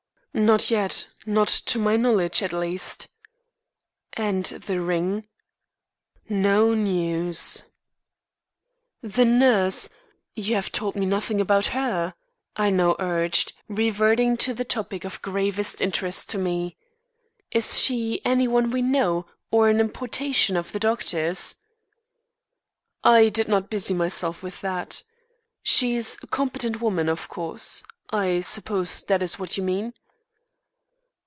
"Not yet; not to my knowledge, at least." "And the ring?" "No news." "The nurse you have told me nothing about her," I now urged, reverting to the topic of gravest interest to me. "Is she any one we know or an importation of the doctor's?" "I did not busy myself with that. She's a competent woman, of course. I suppose that is what you mean?"